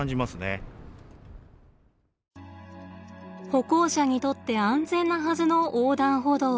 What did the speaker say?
歩行者にとって安全なはずの横断歩道。